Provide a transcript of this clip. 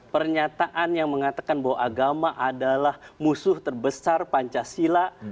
pernyataan yang mengatakan bahwa agama adalah musuh terbesar pancasila